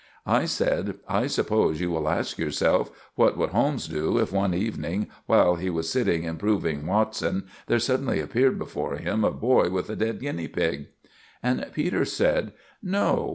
I said, "I suppose you will ask yourself, 'What would Holmes do if one evening, while he was sitting improving Watson, there suddenly appeared before him a boy with a dead guinea pig?'" And Peters said, "No.